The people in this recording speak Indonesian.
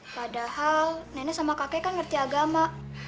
padahal nenek sama kakek kan ngerti agama